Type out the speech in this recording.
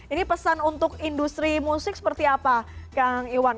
ini pesan untuk industri musik seperti apa kang iwan